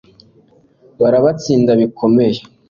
barabatsinda bikomeye